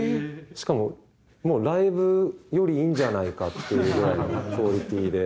しかもライブよりいいんじゃないかっていうぐらいのクオリティーで。